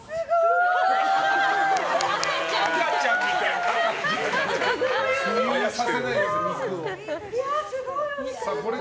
赤ちゃんみたいに。